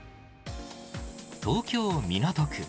東京・港区。